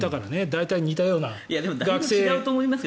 大体、似たような。